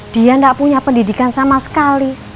dia tidak punya pendidikan sama sekali